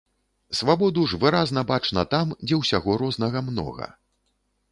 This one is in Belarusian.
Свабоду ж выразна бачна там, дзе ўсяго рознага многа.